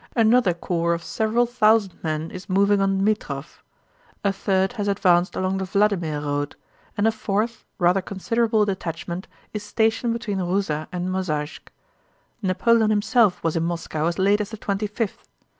Another corps of several thousand men is moving on Dmítrov. A third has advanced along the Vladímir road, and a fourth, rather considerable detachment is stationed between Rúza and Mozháysk. Napoleon himself was in Moscow as late as the twenty fifth.